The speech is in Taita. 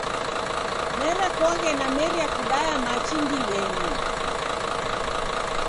Nerekoghe nameria kudaya machi ndiw'enyi.